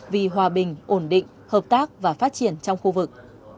vì hòa bình ổn định hợp tác và phát triển trong khu vực